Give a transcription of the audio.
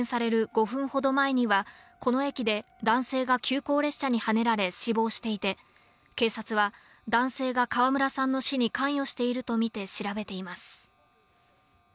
５分ほど前には、この駅で男性が急行列車にはねられ死亡していて、警察は男性が川村さんの死に関与しているとみて調べています。